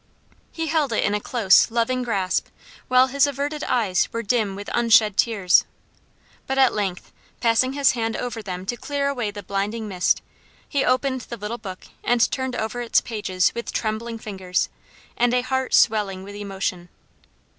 He held it in a close, loving grasp, while his averted eyes were dim with unshed tears; but at length, passing his hand over them to clear away the blinding mist, he opened the little book and turned over its pages with trembling fingers, and a heart swelling with emotion.